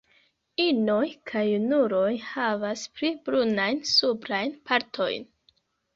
Inoj kaj junuloj havas pli brunajn suprajn partojn.